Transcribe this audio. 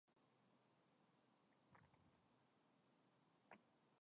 만일 용녀같이 그렇게 농락하려고 그가 덤벼들면 망신을 톡톡히 시켜 놓고 나는 나가지.